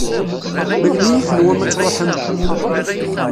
Melmi i tenwam ad tṛuḥem?